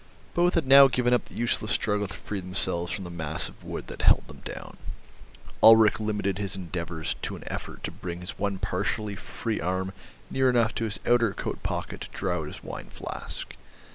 Both had now given up the useless struggle to free themselves from the mass of wood that held them down; Ulrich limited his endeavours to an effort to bring his one partially free arm near enough to his outer coat pocket to draw out his wine flask.